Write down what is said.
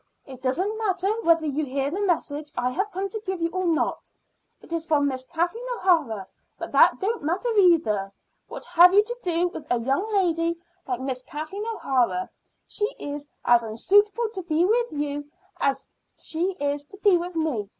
It doesn't matter whether you hear the message I have come to give you or not. It is from Miss Kathleen O'Hara, but that don't matter, either. What have you to do with a young lady like Miss Kathleen O'Hara. She's as unsuitable to be with you as she is to be with me.